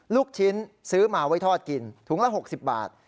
ลูกชิ้นซื้อมาไว้ทอดกินถุงละ๖๐บาท